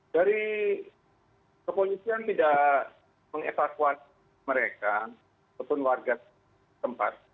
dari kepolisian tidak mengevakuasi mereka ataupun warga tempat